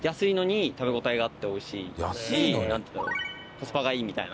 コスパがいいみたいな。